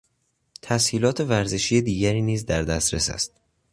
تسهیلات ورزشی دیگری نیز در دسترس است.